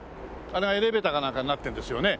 あれがエレベーターかなんかになってるんですよね。